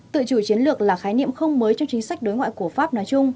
tự chủ chiến lược là khái niệm không mới trong chính sách đối ngoại của pháp nói chung